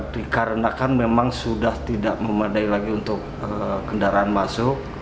dikarenakan memang sudah tidak memadai lagi untuk kendaraan masuk